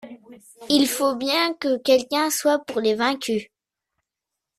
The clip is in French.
Il faut bien que quelqu’un soit pour les vaincus.